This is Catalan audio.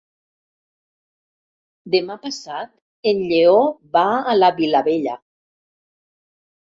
Demà passat en Lleó va a la Vilavella.